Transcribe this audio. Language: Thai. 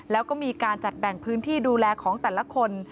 แล้วก็มีการจัดแบ่งพื้นที่ดูแลของแต่ละคน